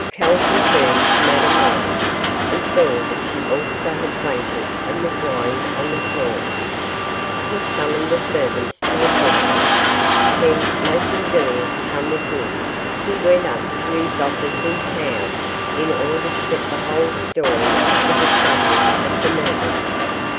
Calton turned to Madame Midas and saw that she also had fainted and was lying on the floor. He summoned the servants to attend to her, then, making Villiers come with him, he went up to his office in town in order to get the whole story of the discovery of the murderer.